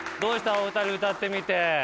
お２人歌ってみて。